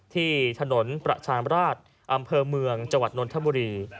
ที่ถนนประชามราชอำเภอเมืองจังหวัดนนทบุรี